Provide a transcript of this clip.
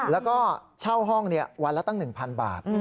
แล้วก็เช่าห้องวันละตั้ง๑๐๐บาท